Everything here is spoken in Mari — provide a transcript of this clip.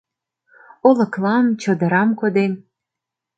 Олыклам, чодырам коден